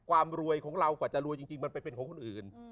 ความรวยของเรากว่าจะรวยจริงมันไปเป็นของคนอื่น